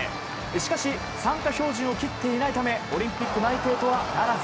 しかし参加標準を切っていないためオリンピック内定とはならず。